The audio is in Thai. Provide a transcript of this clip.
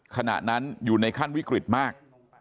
ขณะนั้นอยู่ในขั้นวิกฤตมาก